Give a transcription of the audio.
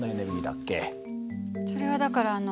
それはだからあの。